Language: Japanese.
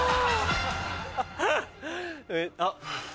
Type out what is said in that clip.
あっ。